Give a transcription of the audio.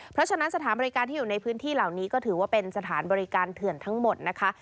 เพราะฉะนั้นสถานบริการที่อยู่ในพื้นที่เหล่านี้ก็ถือว่าเป็นสถานบริการเถื่อนทั้งหมดนะคะ